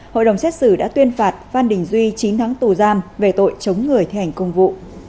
hội đồng xét xử đã tuyên phạt phan đình duy chín tháng tù giam về tội chống người thi hành công vụ